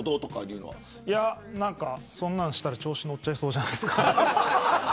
そんなのしたら調子に乗っちゃいそうじゃないですか。